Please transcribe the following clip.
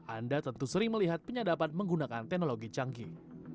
anda tentu sering melihat penyadapan menggunakan teknologi canggih